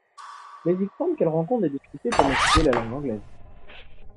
Mais il semble qu’elle rencontre des difficultés pour maîtriser la langue anglaise.